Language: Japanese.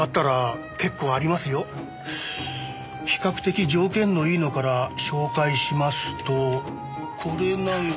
比較的条件のいいのから紹介しますとこれなんか。